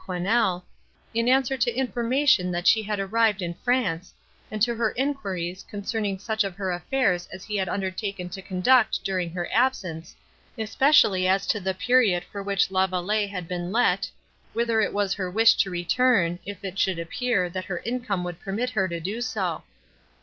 Quesnel, in answer to information that she had arrived in France, and to her enquiries, concerning such of her affairs as he had undertaken to conduct during her absence, especially as to the period for which La Vallée had been let, whither it was her wish to return, if it should appear, that her income would permit her to do so.